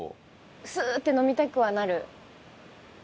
スーッて飲みたくはなる。